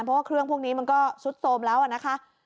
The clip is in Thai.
เพราะว่าเครื่องพวกนี้มันก็ซุดโทรมแล้วนะคะ